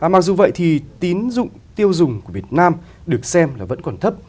mặc dù vậy thì tín dụng tiêu dùng của việt nam được xem là vẫn còn thấp